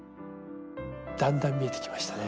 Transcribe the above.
だんだん見えてきましたね。